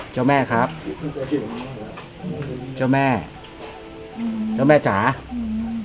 เจ้าแม่ครับเจ้าแม่อืมเจ้าแม่จ๋าอืม